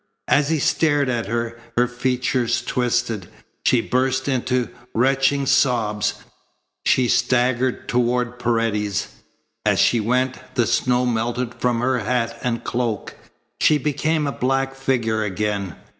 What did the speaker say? As he stared at her, her features twisted. She burst into retching sobs. She staggered toward Paredes. As she went the snow melted from her hat and cloak. She became a black figure again.